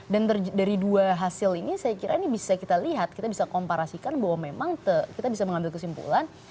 dan dari dua hasil ini saya kira ini bisa kita lihat kita bisa komparasikan bahwa memang kita bisa mengambil kesimpulan